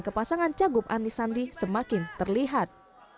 ke pasangan cagup anisandi semakin terlihat